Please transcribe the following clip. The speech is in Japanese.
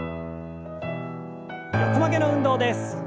横曲げの運動です。